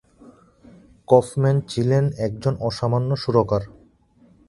Kaufman ছিলেন একজন অসামান্য সুরকার।